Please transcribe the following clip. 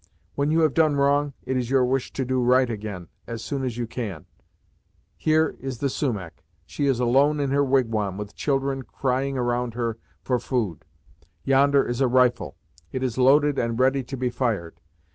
When you have done wrong, it is your wish to do right, again, as soon as you can. Here, is the Sumach; she is alone in her wigwam, with children crying around her for food yonder is a rifle; it is loaded and ready to be fired.